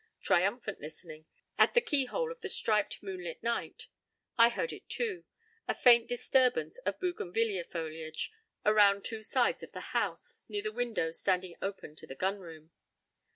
Triumphant listening—at the keyhole of the striped, moonlit night. I heard it, too—a faint disturbance of bougainvillaea foliage around two sides of the house, near the window standing open to the gun room.